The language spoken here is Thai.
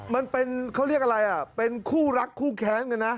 มันเป็นเขาเรียกอะไรอ่ะเป็นคู่รักคู่แค้นกันนะ